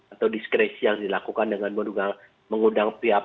atau diskresi yang dilakukan dengan mengundang pihak